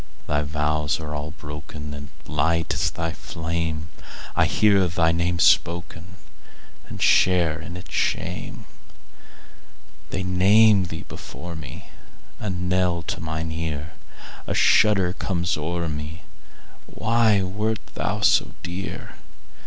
Thy vows are all broken, And light is thy fame:I hear thy name spokenAnd share in its shame. They name thee before me,A knell to mine ear;A shudder comes o'er me—Why wert thou so dear?